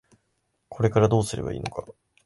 これからどうすればいいのか。